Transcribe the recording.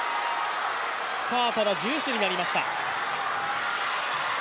ただジュースになりました。